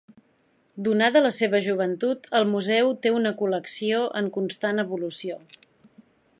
Donada la seva joventut el museu té una col·lecció en constant evolució.